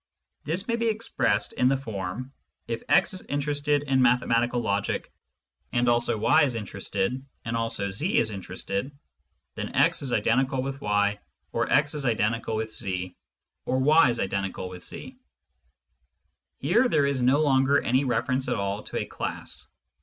This may be expressed in the form :" If x is interested in mathematical logic, and also y is interested, and also z is interested, then x is identical with yj or x is identical with z, or y is identical with z." Here there is no longer any reference at all to a " class."